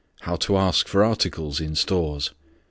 _ _How to ask for articles in stores.